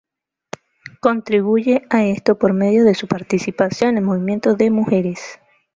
Contribuye a esto por medio de su participación en el movimiento de mujeres.